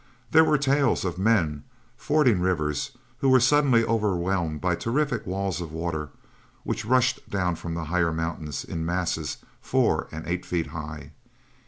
There were tales of men fording rivers who were suddenly overwhelmed by terrific walls of water which rushed down from the higher mountains in masses four and eight feet high.